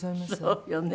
そうよね。